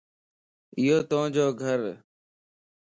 ايوَ تو جو گھر؟